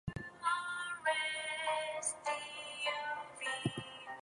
This is an alphabetical selection comprising about one sixth of Papagika's recorded output.